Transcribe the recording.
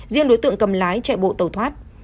riêng đối tượng cầm lái chạy bộ tàu thoát